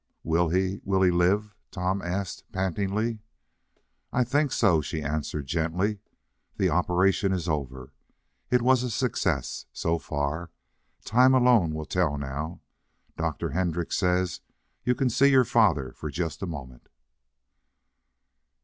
"Will he will he live?" Tom asked, pantingly. "I think so," she answered gently. "The operation is over. It was a success, so far. Time alone will tell, now. Dr. Hendrix says you can see your father for just a moment."